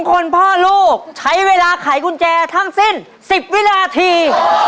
คนพ่อลูกใช้เวลาไขกุญแจทั้งสิ้น๑๐วินาที